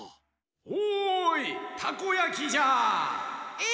おいたこやきじゃ！え？